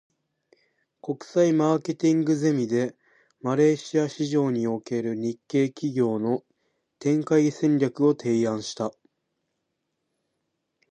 国際マーケティングゼミで、マレーシア市場における日系企業の展開戦略を提案した。